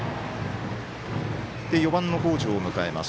４番の北條を迎えます。